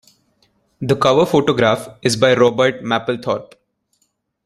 The cover photograph is by Robert Mapplethorpe.